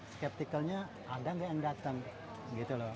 skeptikalnya ada nggak yang datang gitu loh